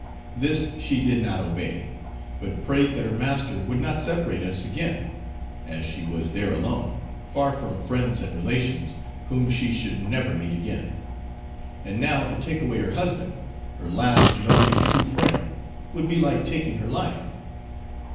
This she did not obey, but prayed that her master would not separate us again, as she was there alone, far from friends and relations whom she should never meet again. And now to take away her husband, her last and only true friend, would be like taking her life!